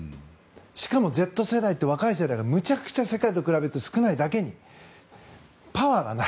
しかも、Ｚ世代という若い世代がむちゃくちゃ世界と比べて少ないだけにパワーがない。